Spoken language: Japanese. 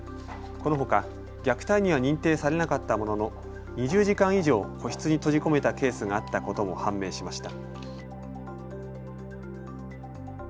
このほか虐待には認定されなかったものの２０時間以上、個室に閉じ込めたケースがあったことも判明しました。